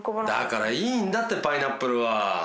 だからいいんだってパイナップルは！